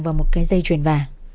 và một cái dây truyền vàng